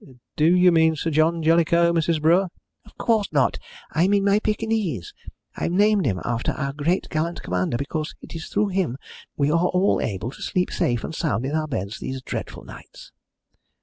"Do you mean Sir John Jellicoe, Mrs. Brewer?" "Of course not! I mean my Pekingese. I've named him after our great gallant commander, because it is through him we are all able to sleep safe and sound in our beds these dreadful nights."